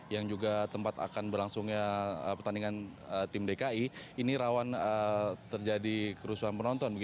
yang juga tempat akan berlangsungnya pertandingan tim dki ini rawan terjadi kerusuhan penonton